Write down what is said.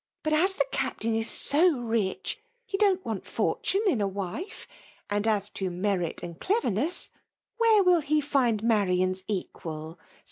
But as the Captain is so rich, he don't want fortune in a wife ; and as to merit and cleverness, where will he find Marian's equal?